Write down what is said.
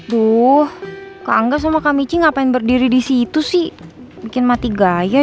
duh kak angga sama kak michi ngapain berdiri di situ sih bikin mati gaya deh